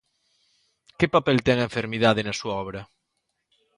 Que papel ten a enfermidade na súa obra?